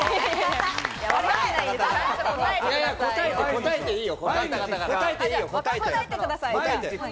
答えていいよ。